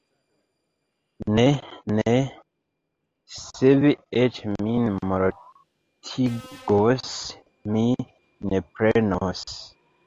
Ne, ne, se vi eĉ min mortigos, mi ne prenos!